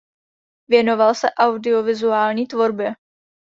Věnoval se audiovizuální tvorbě.